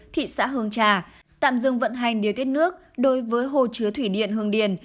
thị xã hương trà tạm dừng vận hành điều tiết nước đối với hồ chứa thủy điện hương điền